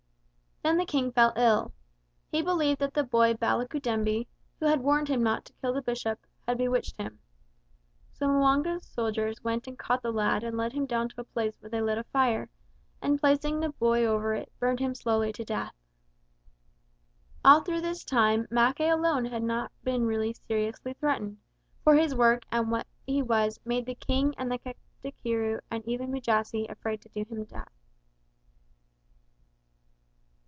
Then the King fell ill. He believed that the boy Balikudembe, who had warned him not to kill the Bishop, had bewitched him. So M'wanga's soldiers went and caught the lad and led him down to a place where they lit a fire, and placing the boy over it, burned him slowly to death. All through this time Mackay alone had not been really seriously threatened, for his work and what he was made the King and the Katikiro and even Mujasi afraid to do him to death.